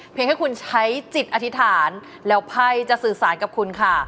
ให้คุณใช้จิตอธิษฐานแล้วไพ่จะสื่อสารกับคุณค่ะ